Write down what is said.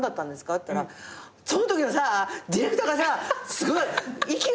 って言ったら「そのときのさディレクターがさすごい息が臭くてさ